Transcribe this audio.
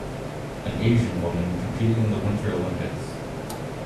An Asian women competing in the winter Olympics